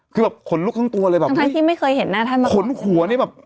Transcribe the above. คือแบบขนลุกทั้งตัวเลยแบบทั้งทั้งที่ไม่เคยเห็นหน้าท่านมาขนหัวนี่แบบ